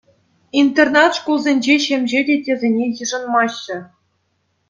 Интернат шкулсенче ҫемҫе теттесене йышӑнмаҫҫӗ.